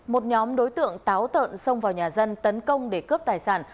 một nhóm đối tượng táo tợn xông vào nhà dân tấn công để cướp tài sản